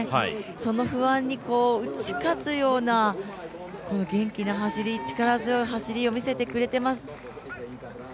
その不安に打ち勝つような元気な走り力強い走りを見せてくれています。